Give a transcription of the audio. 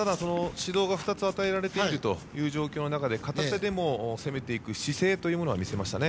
指導が２つ与えられている中で片手でも攻めていく姿勢というものは見せましたね。